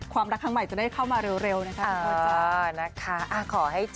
ความรักข้างใหม่ถึงให้เข้ามาเร็วนะครับ